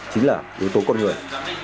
chính là yếu tố con người